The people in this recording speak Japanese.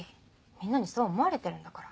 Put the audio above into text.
みんなにそう思われてるんだから。